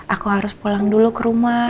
aku harus pulang dulu ke rumah